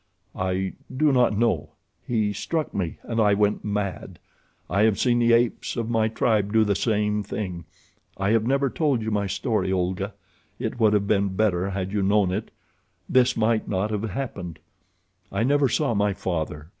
"I do not know. He struck me, and I went mad. I have seen the apes of my tribe do the same thing. I have never told you my story, Olga. It would have been better had you known it—this might not have happened. I never saw my father.